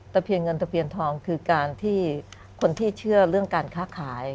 เพียงเงินตะเพียนทองคือการที่คนที่เชื่อเรื่องการค้าขาย